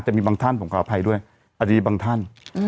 แต่มีบางท่านผมขออภัยด้วยอดีตบางท่าน